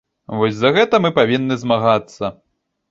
Вось, за гэта мы павінны змагацца.